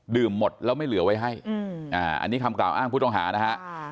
หมดแล้วไม่เหลือไว้ให้อันนี้คำกล่าวอ้างผู้ต้องหานะฮะ